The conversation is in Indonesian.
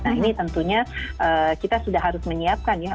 nah ini tentunya kita sudah harus menyiapkan ya